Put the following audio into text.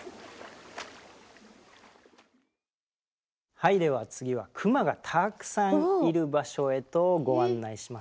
はいでは次はクマがたくさんいる場所へとご案内します。